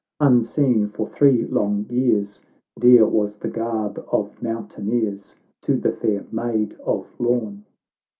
unseen for three long years, Dear was the garb of mountaineers To the fair Maid of Lorn